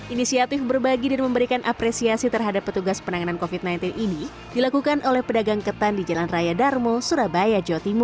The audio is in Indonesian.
inisiatif berbagi dan memberikan apresiasi terhadap petugas penanganan covid sembilan belas ini dilakukan oleh pedagang ketan di jalan raya darmo surabaya jawa timur